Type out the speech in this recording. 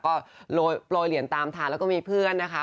ก็โปรยเหรียญตามทางแล้วก็มีเพื่อนนะคะ